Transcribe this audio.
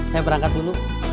saya berangkat dulu